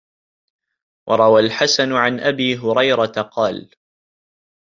وَرَوَى الْحَسَنُ عَنْ أَبِي هُرَيْرَةَ قَالَ